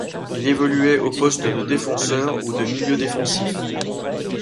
Il évoluait au poste de défenseur ou de milieu défensif.